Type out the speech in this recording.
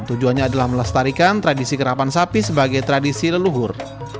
tujuannya adalah melestarikan tradisi kerapan sapi sebagai tradisi leluhur